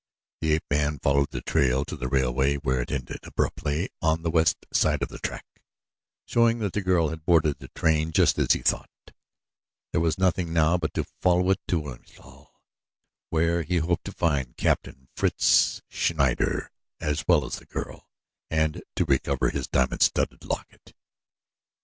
The ape man followed the trail to the railway where it ended abruptly on the west side of the track, showing that the girl had boarded the train, just as he thought. There was nothing now but to follow on to Wilhelmstal, where he hoped to find Captain Fritz Schneider, as well as the girl, and to recover his diamond studded locket.